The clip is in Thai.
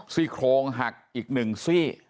สี่โครงหักอีกนึงสี่